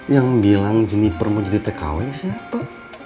yang bilang jeniper mau jadi tkw siapa